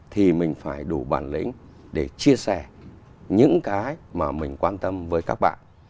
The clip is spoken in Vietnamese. thì mình phải đủ bản lĩnh để chia sẻ những cái mà mình quan tâm với các bạn